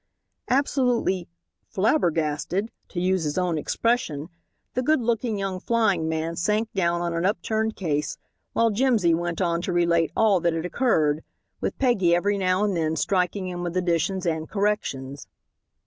Absolutely "flabbergasted," to use his own expression, the good looking young flying man sank down on an upturned case, while Jimsy went on to relate all that had occurred, with Peggy every now and then striking in with additions and corrections.